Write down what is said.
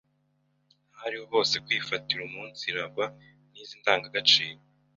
aho ari hose, kwihatira umunsirangwa n’izi ndangagaciro